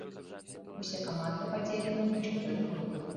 Усе каманды падзелены на чатыры групы.